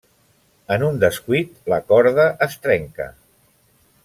En un descuit, la corda es trenca.